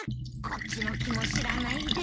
こっちの気も知らないで。